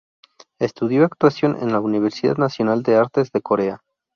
Estudió actuación en la Universidad Nacional de Artes de Corea.